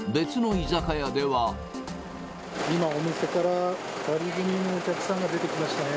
今、お店から２人組のお客さんが出てきましたね。